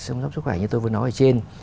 sống sống sức khỏe như tôi vừa nói ở trên